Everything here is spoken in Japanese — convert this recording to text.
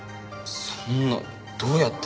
そんなどうやって？